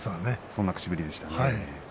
そんな口ぶりでしたね。